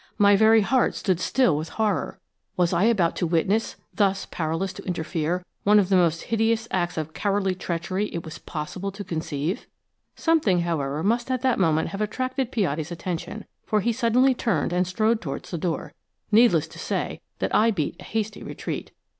My very heart stood still with horror. Was I about to witness–thus powerless to interfere–one of the most hideous acts of cowardly treachery it was possible to conceive? Something, however, must at that moment have attracted Piatti's attention, for he suddenly turned and strode towards the door. Needless to say that I beat a hasty retreat.